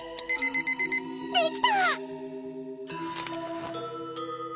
できた！